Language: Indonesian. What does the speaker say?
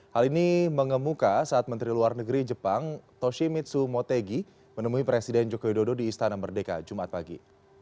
hal ini mengemuka saat menteri luar negeri jepang toshimitsu motegi menemui presiden joko widodo di istana merdeka jumat pagi